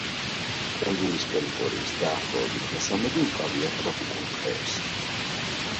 კუნძულის ტერიტორიის დაახლოებით მესამედი უკავია ტროპიკულ ტყეებს.